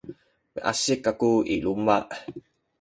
miasik kaku i luma’.